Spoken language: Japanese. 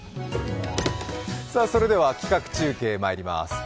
それでは企画中継、まいります。